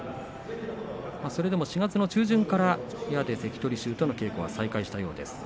それでも４月中旬から部屋で関取衆との稽古は再開したようです。